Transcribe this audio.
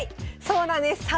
そうなんです。